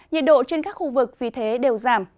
nhiệt độ trên các khu vực vì thế đều giảm